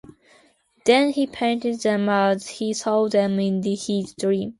Then he painted them as he saw them in his dream.